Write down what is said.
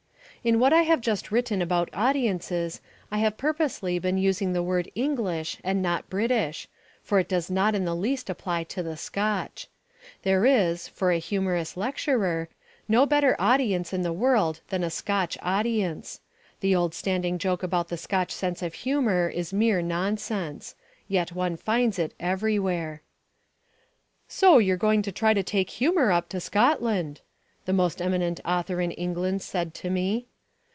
In what I have just written about audiences I have purposely been using the word English and not British, for it does not in the least apply to the Scotch. There is, for a humorous lecturer, no better audience in the world than a Scotch audience. The old standing joke about the Scotch sense of humour is mere nonsense. Yet one finds it everywhere. "So you're going to try to take humour up to Scotland," the most eminent author in England said to me.